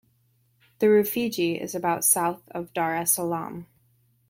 The Rufiji is about south of Dar es Salaam.